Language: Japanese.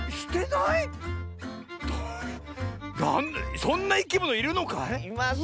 そんないきものいるのかい？